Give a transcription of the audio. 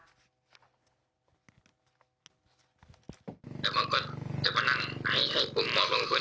แต่บางคนจะมานั่งให้ผมมอบลงคุณ